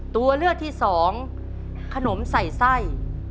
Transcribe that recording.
ตัวเลือกที่๒ขนมใส่